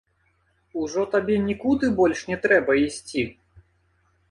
Ужо табе нікуды больш не трэба ісці?